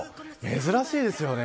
珍しいですよね。